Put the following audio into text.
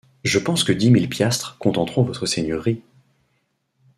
Je pense que dix mille piastres contenteront Votre Seigneurie !…